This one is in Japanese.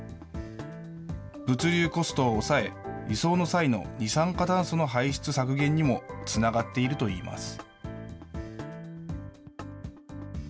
物流コストを抑え、輸送の際の二酸化炭素の排出削減にもつながっているといいます。